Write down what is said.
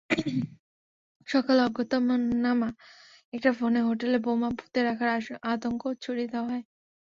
সকালে অজ্ঞাতনামা একটা ফোনে হোটেলে বোমা পুঁতে রাখার আতঙ্ক ছড়িয়ে দেওয়া হয়।